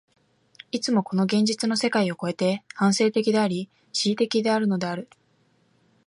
いつもこの現実の世界を越えて、反省的であり、思惟的であるのである。